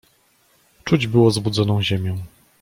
"Czuć było zbudzoną ziemię."